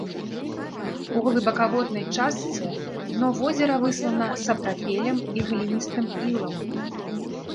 У глыбакаводнай частцы дно возера выслана сапрапелем і гліністым ілам.